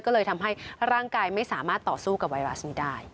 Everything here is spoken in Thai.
ก็เลยทำให้ร่างกายไม่สามารถต่อสู้กับไวรัสนี้ได้